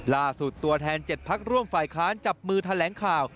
ตัวแทน๗พักร่วมฝ่ายค้านจับมือแถลงข่าว